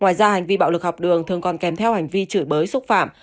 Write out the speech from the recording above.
ngoài ra hành vi bạo lực học đường thường còn kèm theo hành vi chửi bới xúc phạm